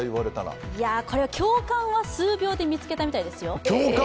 いや、これは教官は数秒で見つけたみたいですよ。